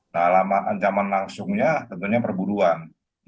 nah ancaman langsungnya tentunya perburuan